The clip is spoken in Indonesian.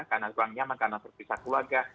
karena ruang nyaman karena terpisah keluarga